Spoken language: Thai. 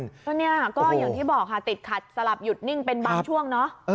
ก็เนี่ยก็อย่างที่บอกค่ะติดขัดสลับหยุดนิ่งเป็นบางช่วงเนาะ